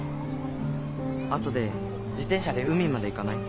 後で自転車で海まで行かない？